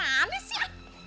si abang dimales ya